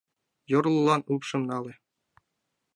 Йорлылан упшым нале.